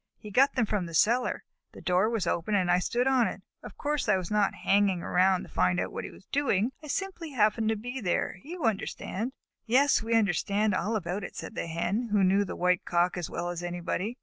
He got them from the cellar. The door was open and I stood on it. Of course I was not hanging around to find out what he was doing. I simply happened to be there, you understand." "Yes, we understand all about it," said the Hens, who knew the White Cock as well as anybody.